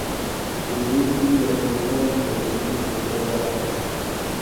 کندز سیند د افغانستان د طبیعت د ښکلا برخه ده.